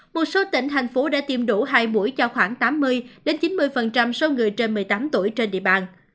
một số tỉnh thành phố đã tiêm đủ hai buổi cho khoảng tám mươi chín mươi số người trên một mươi tám tuổi trên địa bàn